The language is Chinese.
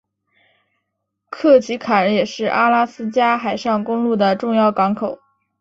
克奇坎也是阿拉斯加海上公路的重要港口。